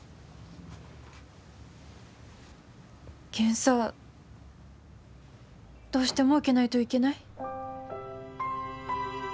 検査どうしても受けないといけない？